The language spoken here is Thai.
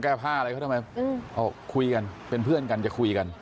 แก้ผ้าอะไรเขาทำไมคุยกันเป็นเพื่อนกันจะคุยกัน